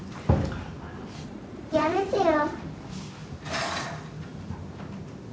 やめてよ。